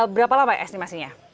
berapa lama estimasinya